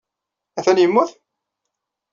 Atan yemmut?